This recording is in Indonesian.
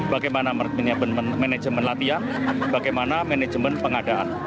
bagaimana manajemen latihan bagaimana manajemen pengadaan